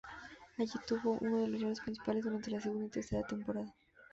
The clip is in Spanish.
Allí, tuvo uno de los roles principales durante la segunda y tercera temporada.